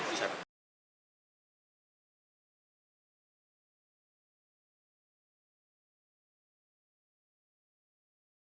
terima kasih sebagai penonton